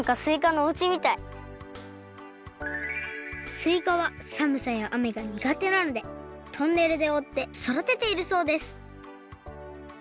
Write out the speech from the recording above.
すいかはさむさやあめがにがてなのでトンネルでおおってそだてているそうです